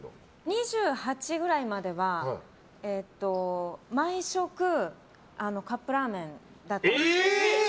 ２８ぐらいまでは毎食カップラーメンだったんです。